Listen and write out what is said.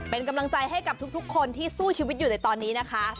เป็นกำลังใจให้กับทุกคนที่สู้ชีวิตอยู่ในตอนนี้นะคะ